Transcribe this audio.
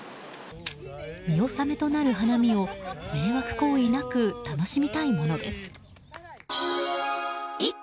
見納めとなる花見を迷惑行為なく楽しみたいものです。